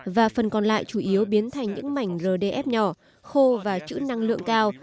và phần còn lại chủ yếu biến thành những mảnh rdf nhỏ khô và chữ năng lượng cao